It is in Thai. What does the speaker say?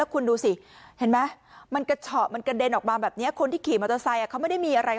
คุณดูสิเห็นไหมมันกระเฉาะมันกระเด็นออกมาแบบนี้คนที่ขี่มอเตอร์ไซค์เขาไม่ได้มีอะไร